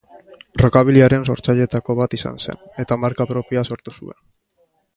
Rockabillyaren sortzaileetako bat izan zen, eta marka propioa sortu zuen.